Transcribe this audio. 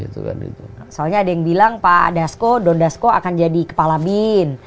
soalnya ada yang bilang pak dasko dondasko akan jadi kepala bin